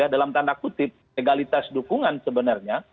dalam tanda kutip legalitas dukungan sebenarnya